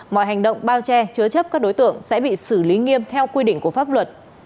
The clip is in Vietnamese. mọi hành động bao che chứa chấp các đối tượng sẽ bị xử lý nghiêm theo quy định của pháp luật